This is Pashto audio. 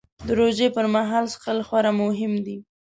د روژې پر مهال څښل خورا مهم دي